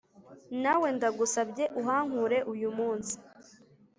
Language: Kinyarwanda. nawe ndagusabye uhankure uyumunsi,